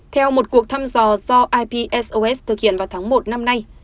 theo một cuộc thăm dò do ipsos thực hiện vào tháng một năm nay